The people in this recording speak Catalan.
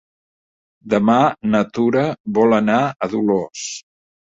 Demà na Tura vol anar a Dolors.